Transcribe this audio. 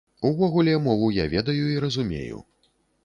Увогуле, мову я ведаю і разумею.